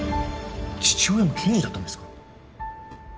父親も刑事だったんですか？